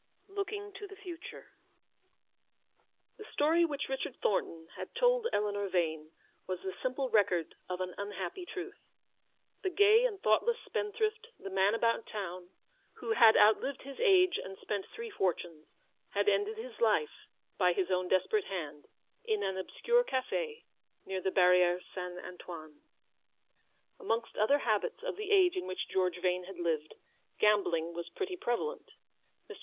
LOOKING TO THE FUTURE. The story which Kichard Thornton had told Eleanor Vane was the simple record of an un happy truth. The gay and thoughtless spend thrift, the man about town, who had outlived his age and spent three fortunes, had ended his life, by his own desperate hand, in an obscure cafe near the Barriere Saint Antoine. Amongst other habits of the age in which George Vane had lived, gambling was pretty pre valent. Mr.